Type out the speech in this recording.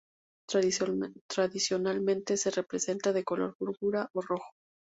Tradicionalmente se representa de color púrpura o rojo.